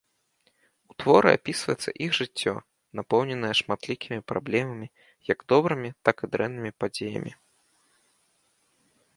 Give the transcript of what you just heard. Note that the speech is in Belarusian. У творы апісваецца іх жыццё, напоўненая шматлікімі праблемамі, як добрымі, так і дрэннымі падзеямі.